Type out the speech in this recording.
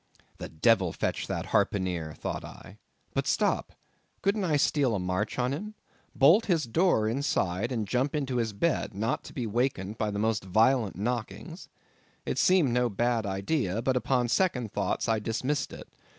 The devil fetch that harpooneer, thought I, but stop, couldn't I steal a march on him—bolt his door inside, and jump into his bed, not to be wakened by the most violent knockings? It seemed no bad idea; but upon second thoughts I dismissed it.